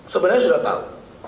sebenarnya sudah tahu